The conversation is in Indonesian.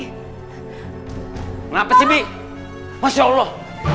kenapa sih bi masya allah